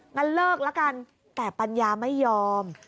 งั้นเลิกละกันแต่ปัญญาไม่ยอม